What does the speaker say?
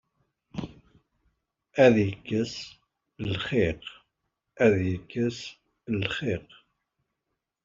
Ad ken-xellṣeɣ s tkarḍa.